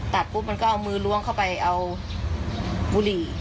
ปุ๊บมันก็เอามือล้วงเข้าไปเอาบุหรี่